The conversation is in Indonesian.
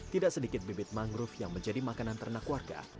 tidak sedikit bibit mangrove yang menjadi makanan ternak warga